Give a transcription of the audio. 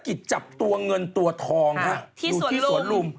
กิจจับตัวเงินตัวทองฮะอยู่ที่สวนลุม